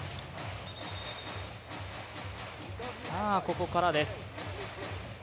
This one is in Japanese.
さあ、ここからです。